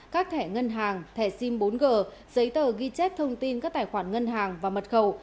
các thẻ ngân hàng thẻ sim bốn g giấy tờ ghi chép thông tin các tài khoản ngân hàng và mật khẩu